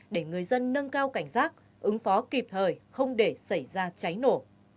để người dân nâng cao cảnh giác ứng phó kịp thời không để xảy ra cháy nổ